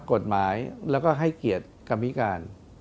กฎหมายแล้วก็ให้เกียรติกรรมพิการ